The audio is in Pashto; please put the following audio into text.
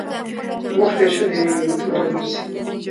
وخت ډېر ژر تېرېږي او بېرته نه راګرځي